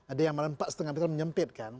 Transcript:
ada yang malah empat lima meter menyempit kan